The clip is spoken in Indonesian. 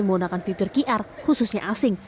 menggunakan fitur qr khususnya asing